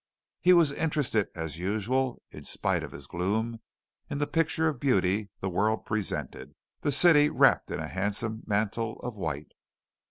He was interested, as usual, in spite of his gloom, in the picture of beauty the world presented the city wrapped in a handsome mantle of white.